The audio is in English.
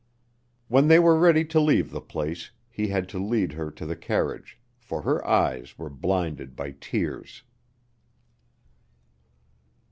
When they were ready to leave the place he had to lead her to the carriage, for her eyes were blinded by tears.